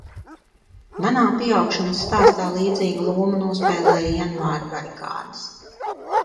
Manā pieaugšanas stāstā līdzīgu lomu nospēlēja janvāra barikādes.